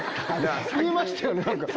言いましたよね